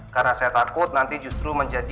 karena saya takut nanti justru mencari